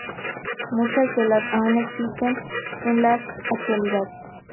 Muchas de las aún existen en la actualidad.